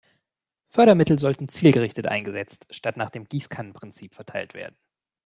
Fördermittel sollten zielgerichtet eingesetzt statt nach dem Gießkannen-Prinzip verteilt werden.